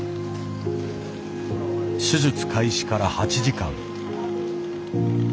手術開始から８時間。